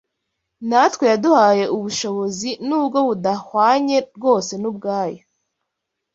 natwe yaduhaye ubushobozi nubwo budahwanye rwose n’ubwayo.